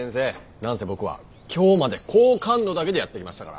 何せ僕は今日まで好感度だけでやってきましたから。